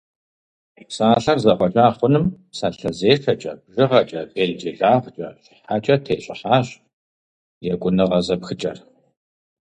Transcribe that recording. Псалъэр зэхъуэкӏа хъуным – псалъэзешэкӏэ, бжыгъэкӏэ, белджылагъкӏэ, щхьэкӏэ тещӏыхьащ екӏуныгъэ зэпхыкӏэр.